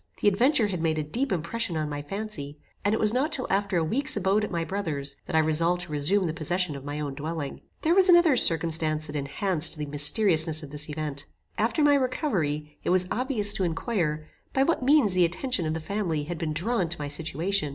The adventure had made a deep impression on my fancy, and it was not till after a week's abode at my brother's, that I resolved to resume the possession of my own dwelling. There was another circumstance that enhanced the mysteriousness of this event. After my recovery it was obvious to inquire by what means the attention of the family had been drawn to my situation.